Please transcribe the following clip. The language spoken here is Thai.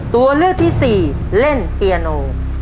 ตัวเลือกที่สี่เล่นเปียโน